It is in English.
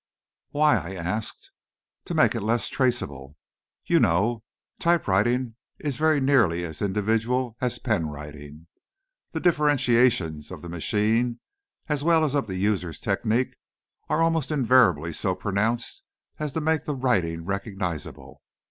"Why?" I asked. "To make it less traceable. You know, typewriting is very nearly as individual as pen writing. The differentiations of the machine as well as of the user's technique, are almost invariably so pronounced as to make the writing recognizable.